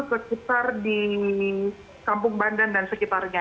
sekitar di kampung bandan dan sekitarnya